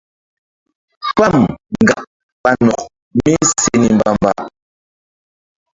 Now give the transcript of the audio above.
Pam ŋgak ɓa nok mí se ni mbamba.